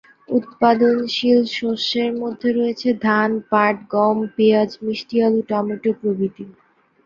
উৎপাদনশীল শস্যের মধ্যে রয়েছে ধান, পাট, গম, পিঁয়াজ, মিষ্টি আলু, টমেটো প্রভৃতি।